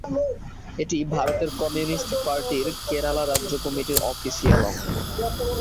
এটি ভারতের কমিউনিস্ট পার্টির কেরালা রাজ্য কমিটির অফিসিয়াল অঙ্গ।